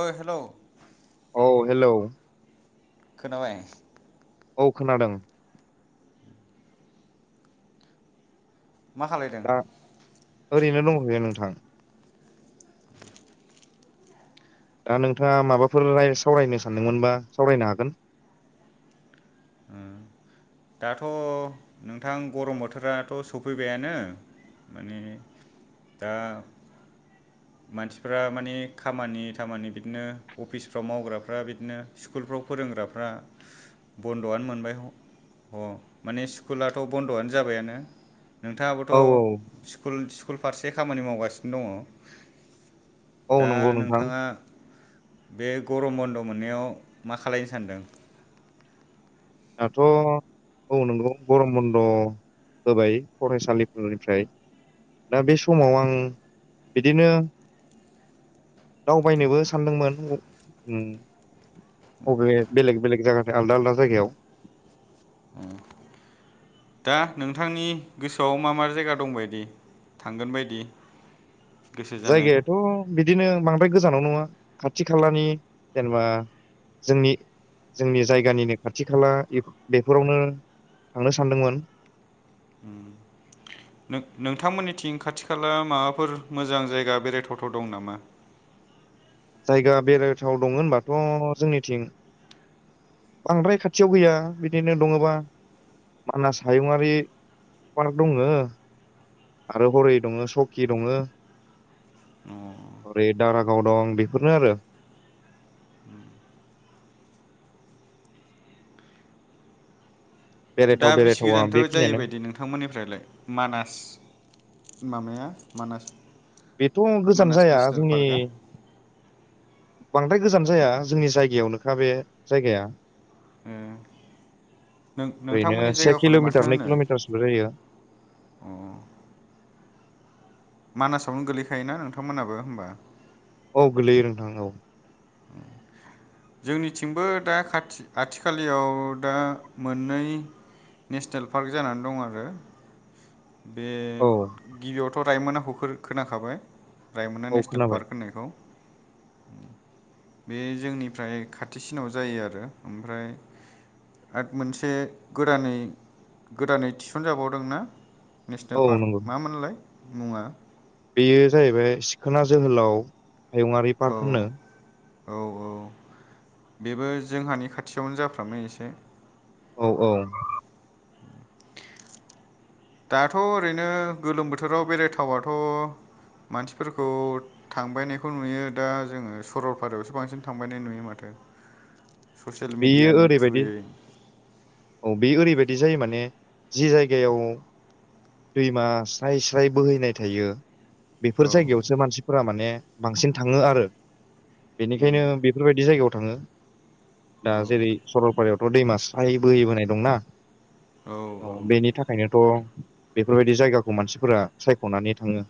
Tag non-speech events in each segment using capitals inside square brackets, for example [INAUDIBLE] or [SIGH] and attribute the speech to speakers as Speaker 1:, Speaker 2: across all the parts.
Speaker 1: ओ हेलौ
Speaker 2: औ हेलौ
Speaker 1: खोनाबाय
Speaker 2: औ खोनादों
Speaker 1: मा खालायदों
Speaker 2: दा ओरैनो दङ बेै नोंथां दा नोंथाङा माबाफोराय राय सावरायनो सानदोंमोनबा सावरायनो हागोन
Speaker 1: ओम दाथ' नोंथां गरम बोथोराथ' सफैबायानो माने दा मानसिफ्रा माने खामानि दामानि बिदिनो अफिसफ्राव मावग्राफ्रा बिदिनो स्कुलफ्राव फोरों ग्राफ्रा बन्द'आनो मोनबाय ह-ह माने स्कुलाथ' बन्द'आनो जाबायानो
Speaker 2: औ औ
Speaker 1: नोंथाङाबोथ' स्कुल स्कुल फारसे खामानि मावगासिनो दङ
Speaker 2: औ
Speaker 1: दा
Speaker 2: नंगौ नोंथां
Speaker 1: नोंथाङा बे गरम बन्द' मोननायाव मा खालायनो सानदों
Speaker 2: दाथ' औ नंगौ गरम बन्द' होबाय फरायसालिफोरनिफ्राय दा बे समाव आं बिदिनो दावबायनोबो सानदोंमोन ओम अबे बेलेग बेलेग जागा आलदा आलदा जायगायाव
Speaker 1: दा नोंथांनि गोसोआव मा-मा जायगा दंबायदि थांगोन बायदि गोसो जानाय
Speaker 2: जायगायाथ' बिदिनो बांद्राय गोजा जानाव नङा खाथि खालानि जेनेबा जोंनि जोंनि जायगानिनो खाथि खाला एफो बेफोरावनो थांनो सानदोंमोन
Speaker 1: उम नों नोंथांमोननिथिं खाथि खाला माबाफोर मोजां जायगा बेरायथावथाव दं नामा [INAUDIBLE]
Speaker 2: जायगा बेरायथाव दङ होनबाथ' जोंनिथिं बांद्राय खाथियाव गैया बिदिनो दङबा मानास हायुङारि पार्क दङो आरो हरै दङ सकि दङ
Speaker 1: अ
Speaker 2: ओरै दारागाव दं बेफोरनो आरो
Speaker 1: [INAUDIBLE] दा
Speaker 2: बेरायथाव
Speaker 1: बिसि
Speaker 2: बेरायथावा
Speaker 1: गोजानथ'
Speaker 2: बेखिनियानो
Speaker 1: जायोबायदि नोंथांमोननिफ्रायलाय मानास माबाया मानास
Speaker 2: बेथ' गोजान
Speaker 1: मानास
Speaker 2: जाया
Speaker 1: नेसनेल
Speaker 2: जोंनि
Speaker 1: पार्कआ
Speaker 2: बांद्राय गोजान जाया जोंनि जायगायावनोखा बे जायगाया
Speaker 1: ए नों
Speaker 2: ओरैनो
Speaker 1: नोंथांमोननि
Speaker 2: से
Speaker 1: जायगाखौलाय माथो
Speaker 2: किल'मिटार नै
Speaker 1: होनो
Speaker 2: किल'मिटारसोल' जायो।
Speaker 1: अ मानासावनो गोलैखायोना नोंथांमोनहाबो होमबा।
Speaker 2: औ गोलैयो नोंथां औ।
Speaker 1: [UNINTELLIGIBLE] जोंनिथिंबो दा खाथि आथिखालियाव दा मोननै नेसनेल पार्क जानानै दं आरो। बे
Speaker 2: औ
Speaker 1: गिबियावथ' रायमोनना हखो खोनाखाबाय रायमना
Speaker 2: औ
Speaker 1: नेसनेल
Speaker 2: खोनाबाय
Speaker 1: पार्क होननायखौ। बे जोंनिफ्राय खाथिसिनाव जायो आरो ओमफ्राय आद मोनसे गोदानै गोदानै थिसनजाबावदों ना
Speaker 2: औ
Speaker 1: नेसनेल
Speaker 2: नंगौ
Speaker 1: पार्क मामोनलाय मुङा?
Speaker 2: बेयो जाहैबाय सिखोना जोहोलाव हायुुंङरारि
Speaker 1: औ
Speaker 2: पार्क होनो।
Speaker 1: औ औ बेबो जोंहानि खाथियावनो जाफ्रामो एसे
Speaker 2: औ औ।
Speaker 1: दाथ' ओरैनो गोलोम बोथोराव बेराय थावाथ' मानसिफोरखौ थांबायनायखौ नुयो दा जोङो सरलपारायावसो बांसिन थांबायनाय नुयो माथो। [INAUDIBLE]
Speaker 2: बेयो
Speaker 1: मिडियानि
Speaker 2: ओरैबायदि
Speaker 1: थ्रुयै
Speaker 2: औ बेयो ओरैबायद बि जायो माने जि जायगायाव दैमा स्राय स्राय बोहैनाय थायो
Speaker 1: औ
Speaker 2: बेफोर जायगायावसो मानसिफोरा माने बांसिन थाङो आरो। बेनिखायनो
Speaker 1: उम
Speaker 2: बेफोरबायदि जायगायाव थाङो। दा
Speaker 1: औ
Speaker 2: जेरै सरलपारायाव अ दैमा स्राय बोहैबोनाय दंना औ बेनि थाखायनोथ' बेफोरबायदि जायगाखौ मानसिफोरा सायख'नानै थाङो।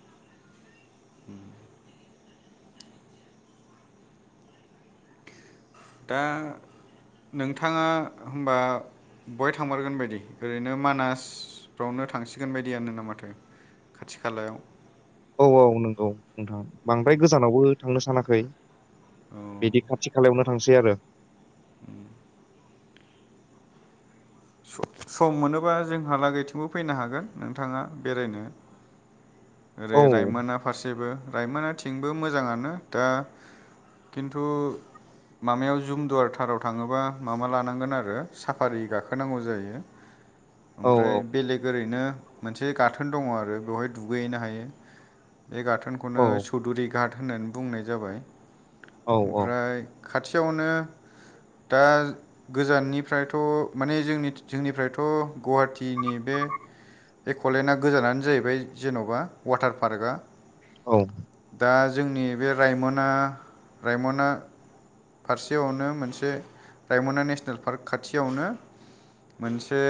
Speaker 1: [INAUDIBLE] दा नोंथाङा होमबा बहाय थांमारगोन बायदि ओरैनो मानास फ्रावनो थांसिगोन बायदियनो ना माथो खाथि खालायाव।
Speaker 2: औ औ नंगौ नोंथां बांद्राय गोजानावबो थांनो सानाखै बिदि खाथि खालायावनो थांसै आरो।
Speaker 1: स-सम मोनोबा जोंहालागैथिंबो फैनो हागोन नोंथाङा बेरायनो। ओरै
Speaker 2: औ
Speaker 1: रायमोना फारसेबो रायमोनाथिंबो मोजाङानो दा खिन्थु मामायाव जुमदुवारथाराव थाङोबा मामा लानांगोन आरो साफारि गाखोनांगौ जायो। [INAUDIBLE]
Speaker 2: औ
Speaker 1: ओमफ्राय बेलेग ओरैनो मोनसे गाथोन दङ आरो बेवहाय दुगैहैनो हायो। बे
Speaker 2: औ
Speaker 1: गाथोनखौनो चौधुरि घाट होननानै बुंनाय जाबाय
Speaker 2: औ
Speaker 1: ओमफ्राय खाथियावनो दा गोजाननिफ्रायथ' माने जोंनि जोंनिफ्रायथ' गुवाहाटिनि बे एक'लेणडआ गोजानानो जाहैबाय जेन'बा वाटार पार्कआ
Speaker 2: औ।
Speaker 1: दा जोंनि बे रायमना रायमना फारसेयावनो मोनसे रायमना नेसनेल पार्क खाथियावनो मोनसे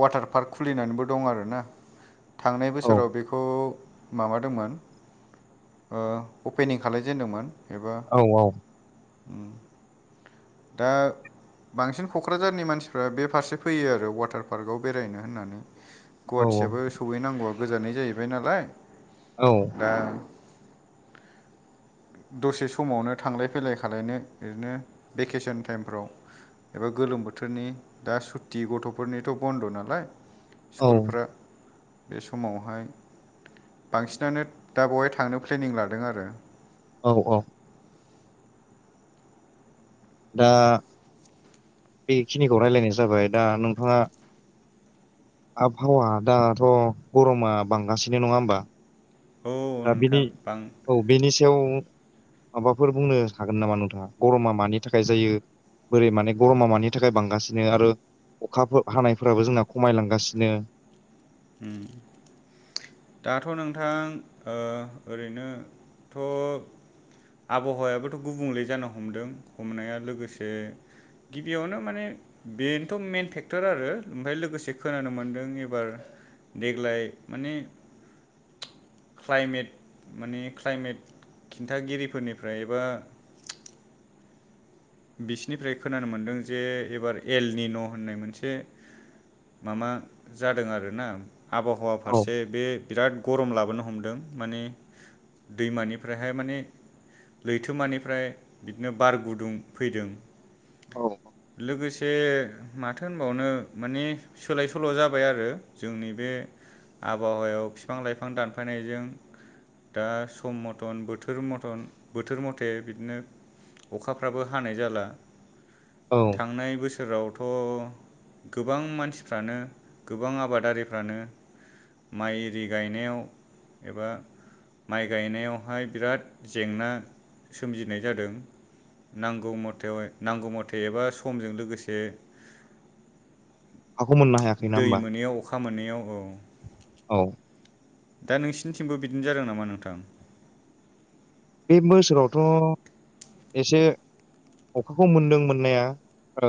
Speaker 1: वाटार पार्कबो खुलिननैबो दं आरोना। थांनाय
Speaker 2: औ
Speaker 1: बोसोराव बेखौ माबादोंमोन ओ अपेनिं खालायजेेनदोंमोन।
Speaker 2: औ औ।
Speaker 1: उम दा बांसिन क'क्राझारनि मानसिफ्रा बे फारसे फैयो आरो वाटार पार्कआव बेरायनो होननानै
Speaker 2: औ
Speaker 1: गुवाहाटियाबबो सहैनांगौआ गोजान जाहैबाय नालाय
Speaker 2: औ
Speaker 1: दा दसे समावनो थांलाय फैलाय खा खालायनो ओरैनो भेकेसन टाइमफ्राव एबा गोलोम बोथोरनि दा सुथि गथ गथ'फोरनिथ' बन्द' नालाय स्कुलफ्रा
Speaker 2: औ
Speaker 1: बे समावहाय बांसिनानो दा बेवहाय थांनो प्लेनिं लादों आरो।
Speaker 2: औ औ दा बेखिनिखौ राय्लायनाय जाबाय दा नोंथाङा आबहावा दाथ' गरमा बांगासिनो नङा होमबा
Speaker 1: औ
Speaker 2: दा बिनि
Speaker 1: नोंथां बां
Speaker 2: औ बेनि सायाव माबाफोर बुंनो हागोन नामा नोंथाङा गरमा मानि थाखाय जायो बोरै माने गरमा मानि थाखाय बांगासिनो आरो अखाफोर हानायफोराबो जोंना खमायलांगासिनो
Speaker 1: ओम दाथ' नोंथांङ ओ ओरैनोथ' आबहावायाबोथ' गुबुंले जानो हमदों हमनाया लोगोसे गिबियावनो माने बेनोथ' मइेन फेक्टर आरो ओमफ्राय लोगोसे खोनानो मोनदों एबार देग्लाय माने क्लाइमेट माने क्लाइमेट खिन्थागिरिफोरनिफ्राय एबा [INAUDIBLE] बिसिनिफ्राय खोनानो मोनदों जे एबार एलनि न' होननाय मोनसे मामा जादों आरोना आबहावा
Speaker 2: औ
Speaker 1: फारसे बे बिराद गरम लाबोनो हमदों माने दैमानिफ्रायहाय माने लैथोमानिफ्राय बिदिनो बार गुदुं फैदों।
Speaker 2: औ
Speaker 1: लोगोसे माथो होनबावनो माने सोलाय सोल' जाबाय आरो जोंनि बे आबहावायाव बिफां लाइफां दानफायनायजों दा सम मथन बोथोर मथन बोथोर मथे बिदिनो अखाफ्राबो हानाय जाला
Speaker 2: औ
Speaker 1: थांनाय बोसोरावथ' गोबां मानसिफ्रानो गोबां आबादारिफ्रानो माइ इरि गायनायाव एबा माइ गायनायावहाय बिराद जेंना सोमजिनाय जादों। नांगौ मथे नांगौ मथे एबा समजों लोगोसे
Speaker 2: हाखौ मोननो हायाखै ना
Speaker 1: दै
Speaker 2: होमबा
Speaker 1: मोनैयाव अखा मोनैयाव औ
Speaker 2: औ
Speaker 1: दा नोंसिनिथिंबो बिदिनो जादों नामा नोंथां?
Speaker 2: बे बोसोरावथ' एसे अखाखौ मोनदों मोननाया ओ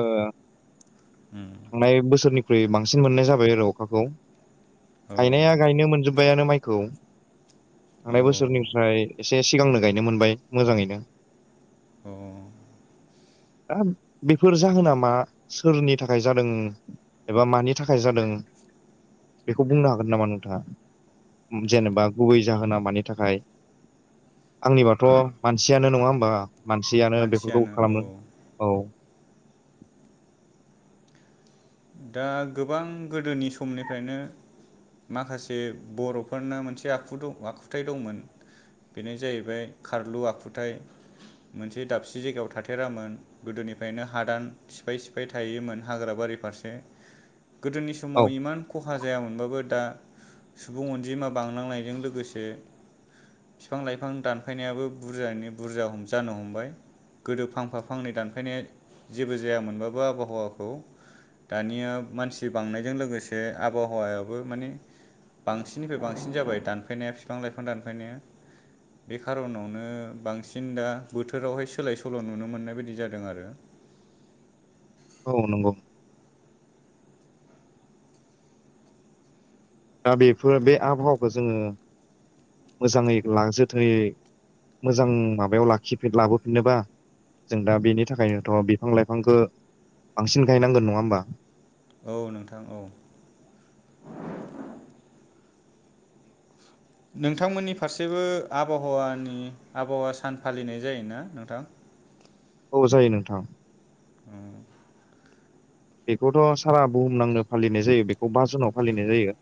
Speaker 1: उम,
Speaker 2: थांनाय बोसोरनिख्रुइ बांसिन मोननाय जाबाय आरो अखाखौ
Speaker 1: औ
Speaker 2: गायनाया गायनो मोनजोब बायानो माइखौ थांनाय
Speaker 1: औ
Speaker 2: बोसोरनिफ्राय एसे सिगांनो गायनो मोनबाय मोजाङैनो।
Speaker 1: औ
Speaker 2: दा बेफोर जाहोन मा सोरनि थाखाय जादों एबा मानि थाखाय जादों बेखौ बुंनो हागोन नामा नोंथाङा? उम जेनेबा गुबै जाहोना मानि थाखाय? आंनिबाथ' मानसियानो नङा होमबा? मानसियानो बेफोरखौ
Speaker 1: मानसियानो औ
Speaker 2: खालामो औ।
Speaker 1: दा गोबां गोदोनि समनिफ्रायनो माखासे बर'फोरना मोनसे आखुथु आखुथाय दंमोन। बेनो जाहैबाय खारलु आखुथाय। मोनसे दाबसे जायगायाव थाथेरामोन गोदोनिफ्रायनो हादान सिफाय सिफाय थायोमोन हाग्रा बारि फारस ने गोदोनि समाव
Speaker 2: औ
Speaker 1: इमान खहा जाया मोनबाबो दा सुबुं अनजिमा बांलांनायजों लोगोसे फिफां लाइफां दानफायनायाबो बुरजायैनो बुरजा हम जानो हमबाय। गोदो फांफा फांनै दानफायनाया जेबो जायामोनबाबो आबहावाखौ दानिया मानसि बांनायजों लोगोसे आबहावायाबो माने बांसिननिफ्राय बांसिन जाबाय दानफायनाया बिफां लाइफां दानफायनाया। बे खारनावनो बांसिन दा बोथोरावहाय सोलाय सोल नुनो मोननाय बायदि जादों आरो। [UNINTELLIGIBLE]
Speaker 2: औ नंगौ। दा बेफोर बे आबहावाखौ जोङो मोजाङै ला जोथोयै मोजां माबायाव लाखिफिन लाबोफिननोबा जों दा बेनि थाखायनोथ बिफां लाइफांखो बांसिन गायनांगोन नङा होमबा?
Speaker 1: औ नोंथां औ। नोंथांमोननि फारसेबो आबहावानि आबहावा सान फालिनाय जायोना नोंथां? [UNINTELLIGIBLE]
Speaker 2: औ जायो नोंथां।
Speaker 1: उम
Speaker 2: बेखौथ सारा बुहुमनांनो फालिनाय जायो बेखौ बा जुनाव फालिनाय जायो।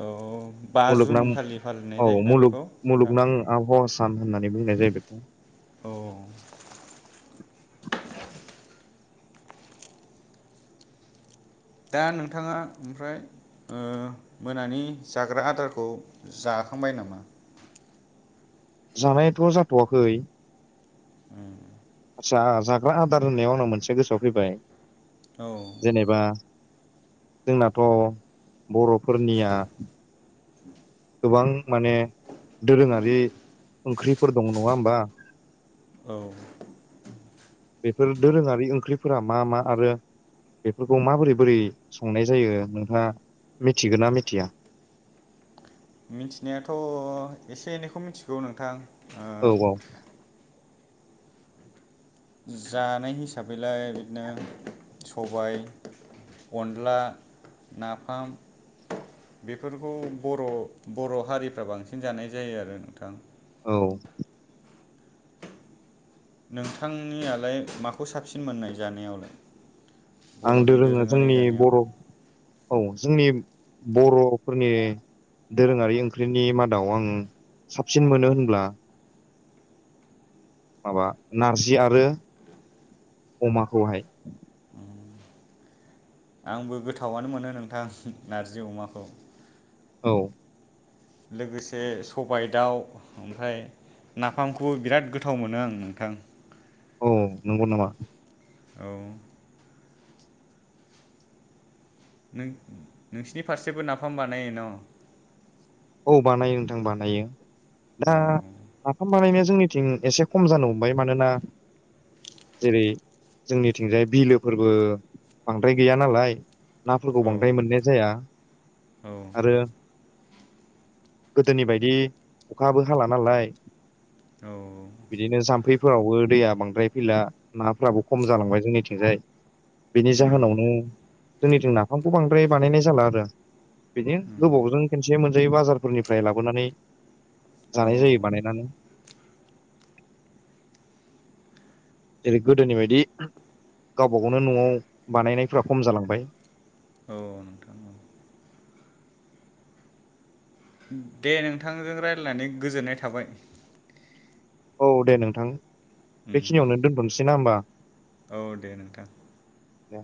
Speaker 1: औ बा
Speaker 2: मुलुगनां
Speaker 1: जुन खालि फालिनाय
Speaker 2: औ
Speaker 1: जायोना
Speaker 2: मुलुग
Speaker 1: बेखौ नोंथां
Speaker 2: मुलुगनां आबावा सान होननानै बुंनाय जायो बेखौ।
Speaker 1: औ। दा नोंथाङा ओमफ्राय ओ मोनानि जाग्रा आदारखौ जाखांबाय नामा?
Speaker 2: जानायाथ‌ जाथवाखै।
Speaker 1: उम।
Speaker 2: जा जाग्रा आदार होननायाव आंनाव मोनसे गोसोआव फैबाय
Speaker 1: औ
Speaker 2: जेनेबा जोंनाथ बर फोरनिया
Speaker 1: [UNINTELLIGIBLE]
Speaker 2: गोबां माने दोरोङारि ओंख्रिफोर दं नङा होमबा?
Speaker 1: औ।
Speaker 2: बेफोर दोरोङारि ओंख्रिफोरा मा मा आरो बेफोरखौ माबोरै बोरै संनाय जायो नोंथाङा मिथिगोन ना मिथिया?
Speaker 1: मिनथिनायाथ एसे एनैखौ मिथिगौ नोंथां। ओ
Speaker 2: औ औ।
Speaker 1: जानाय हिसाबैलाय बिदिनो सबाय अनला नाफाम बेफोरखौ बर बर हारिफ्रा बांसिन जानाय जायो आरो नोंथां।
Speaker 2: औ।
Speaker 1: नोंथांनियालाय माखौ साबसिन मोननाय जानायावलाय?
Speaker 2: आं
Speaker 1: बर'नि
Speaker 2: दोरोङा
Speaker 1: दोरोङारि
Speaker 2: जोंनि
Speaker 1: जानायाव
Speaker 2: बर औ जोंनि बर फोरनि दोरोङारि ओंख्रिनि मादाव आं साबसिन मोनो होनब्ला माबा नारजि आरो अमाखौहाय
Speaker 1: आंबो गोथावानो मोनो नोंथां नारजि अमाखौ
Speaker 2: औ
Speaker 1: लोगोसे सबाय दाउ ओमफ्राय नाफामखौ बिराद गोथाव मोनो आं नोंथां
Speaker 2: औ नंगौ नामा?
Speaker 1: औ नों नोंसिनि फारसेबो नाफाम बानायो न?
Speaker 2: औ बानायो नोंथां बानायो दा
Speaker 1: अ
Speaker 2: नाफाम बानायनाया जोंनिथिं एसे खम जानो हमबाय मानोना जेरै जोंनिथिंजाय बिलोफोरबो बांद्राय गैया नालाय नाफोरखौ
Speaker 1: औ
Speaker 2: बांद्राय मोननाय जाया
Speaker 1: औ
Speaker 2: आरो गोदोनि बायदि अखाबो हाला नालाय
Speaker 1: औ
Speaker 2: बिदिनो जाम्फै फोरावबो दैया बांद्राय फैला नाफ्राबो खम जालांबाय जोंनिथिंजाय बेनि
Speaker 1: उम
Speaker 2: जाहोनावनो जोंनिथिं नाफामखौ बांद्राय बानायनाय जाला आरो बिदिनो
Speaker 1: उम
Speaker 2: गोबावजों खनसे मोन [UNINTELLIGIBLE] फोरनिफ्राय लाबोनानै
Speaker 1: औ
Speaker 2: जानाय जायो बानायनानै जेरै गोदोनि बायदि गावबा गावनो न'आव बानायनायफ्रा खम जालांबाय
Speaker 1: औ नोंथां औ दे नोंथांजों रायज्लायनानै गोजोननाय थाबाय
Speaker 2: औ दे नोंथां
Speaker 1: उम
Speaker 2: बेखिनियावनो दोनथ'नोसै ना होमबा
Speaker 1: औ दे नोंथां
Speaker 2: दे